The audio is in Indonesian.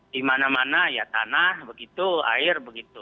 di mana mana ya tanah begitu air begitu